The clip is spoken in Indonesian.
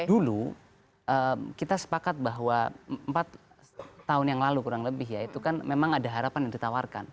dulu kita sepakat bahwa empat tahun yang lalu kurang lebih ya itu kan memang ada harapan yang ditawarkan